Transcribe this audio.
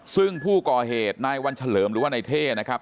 ซึ่งผู้ก่อเหตุนายวันเฉลิมหรือว่านายเท่นะครับ